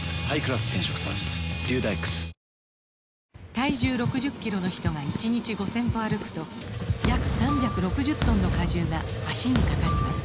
体重６０キロの人が１日５０００歩歩くと約３６０トンの荷重が脚にかかります